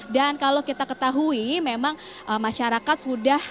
dan kalau kita ketahui memang masyarakat sudah